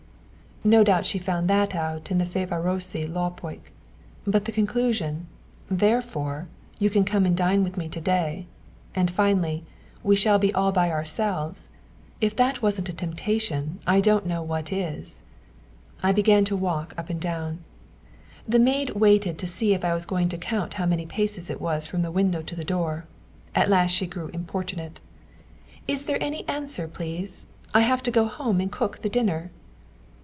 No doubt she found that out in the Fövárosi Lapok. But the conclusion: "therefore you can come and dine with me to day"! And finally: "We shall be all by ourselves"! If that wasn't a temptation, I don't know what is. [Footnote 106: News of the Capital, a popular newspaper of the period.] I began to walk up and down. The maid waited to see if I was going to count how many paces it was from the window to the door. At last she grew importunate. "Is there any answer, please? I have to go home and cook the dinner."